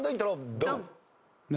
ドン！